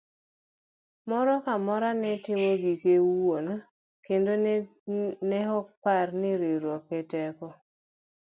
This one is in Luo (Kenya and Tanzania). Moro kamoro ne timo gike owuon kendo ok nepar ni riwruok e teko.